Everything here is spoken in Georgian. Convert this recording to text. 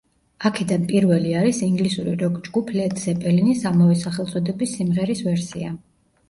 აქედან პირველი არის ინგლისური როკ-ჯგუფ ლედ ზეპელინის ამავე სახელწოდების სიმღერის ვერსია.